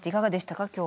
今日は。